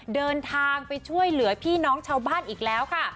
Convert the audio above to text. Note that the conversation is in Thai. เดินทางไปช่วยเหลือพี่น้องชาวบ้านอีกแล้วค่ะ